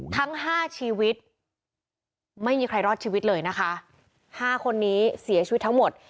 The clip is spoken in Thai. ทั้งห้าชีวิตไม่มีใครรอดชีวิตเลยนะคะห้าคนนี้เสียชีวิตทั้งหมด